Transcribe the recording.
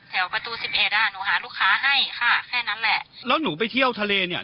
แถวประตูสิบเอ็ดอ่ะหนูหาลูกค้าให้ค่ะแค่นั้นแหละแล้วหนูไปเที่ยวทะเลเนี่ย